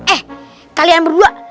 eh kalian berdua